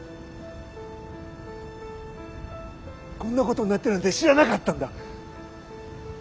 こんなことになってるなんて知らなかったんだ。